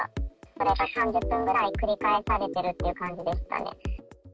それが３０分ぐらい繰り返されてるっていう感じでしたね。